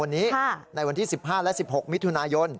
ในวันที่๑๕และ๑๖มิทุนายน